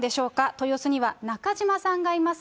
豊洲には中島さんがいます。